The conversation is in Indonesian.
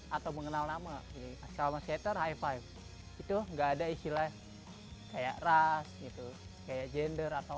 atau mengenal nama selama setor high five itu enggak ada istilah kayak ras itu kayak gender atau